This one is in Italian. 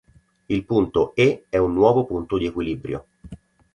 Il punto E è un nuovo punto di equilibrio.